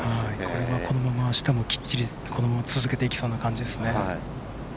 このまま、あしたもきっちり続けていきそうな感じです。